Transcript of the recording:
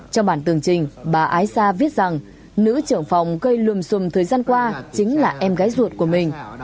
trong bản tường trình bà ái sa viết rằng nữ trưởng phòng gây lùm xùm thời gian qua chính là em gái ruột của mình